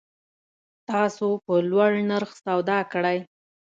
تاسو په لوړ نرخ سودا کړی